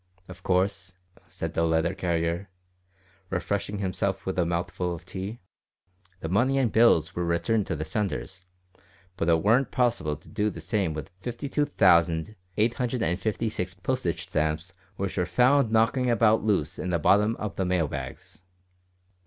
Of course," said the letter carrier, refreshing himself with a mouthful of tea, "the money and bills were returned to the senders, but it warn't possible to do the same with 52,856 postage stamps which were found knocking about loose in the bottom of the mail bags."